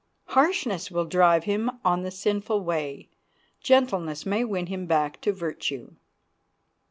Harshness will drive him on the sinful way; gentleness may win him back to virtue.